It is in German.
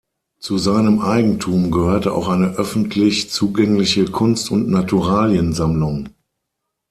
Zu seinem Eigentum gehörte auch eine öffentlich zugängliche Kunst- und Naturaliensammlung.